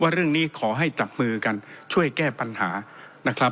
เรื่องนี้ขอให้จับมือกันช่วยแก้ปัญหานะครับ